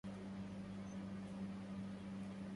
حجك أرضى ربك العليا